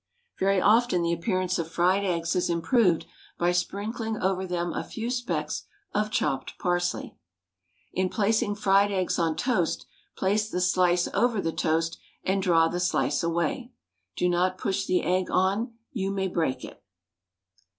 Very often the appearance of fried eggs is improved by sprinkling over them a few specks of chopped parsley. In placing fried eggs on toast, place the slice over the toast and draw the slice away. Do not push the egg on; you may break it.